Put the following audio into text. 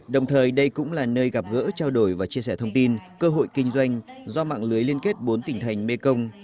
đồng thời đây cũng là nơi gặp gỡ trao đổi và chia sẻ thông tin cơ hội kinh doanh do mạng lưới liên kết bốn tỉnh thành mekong